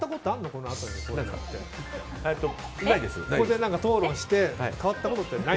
ここで討論して変わったことはあるの？